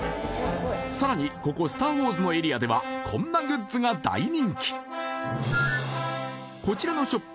さらにここ「スター・ウォーズ」のエリアではこんなグッズが大人気こちらのショップ